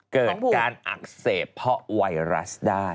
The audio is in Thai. เกิดการอักเสบเพราะไวรัสได้